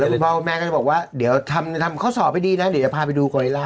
คุณพ่อคุณแม่ก็จะบอกว่าเดี๋ยวทำข้อสอบให้ดีนะเดี๋ยวจะพาไปดูโกริล่า